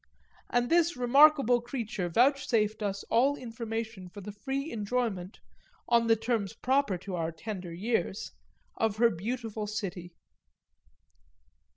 And this remarkable creature vouchsafed us all information for the free enjoyment on the terms proper to our tender years of her beautiful city.